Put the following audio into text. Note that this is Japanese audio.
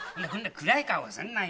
暗い顔すんなよ。